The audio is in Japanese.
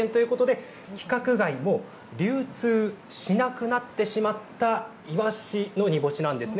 フードロス削減ということで、規格外の流通しなくなってしまったいわしの煮干しなんですね。